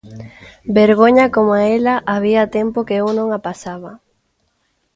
Vergoña coma ela había tempo que eu non a pasaba...